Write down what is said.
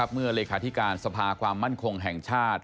เลขาธิการสภาความมั่นคงแห่งชาติ